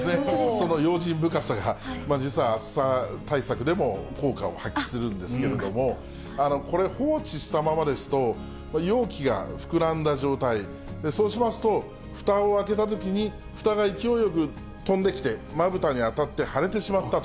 その用心深さが、実は暑さ対策でも効果を発揮するんですけれども、これ、放置したままですと、容器が膨らんだ状態、そうしますと、ふたを開けたときに、ふたが勢いよく飛んできて、まぶたに当たって腫れてしまったと。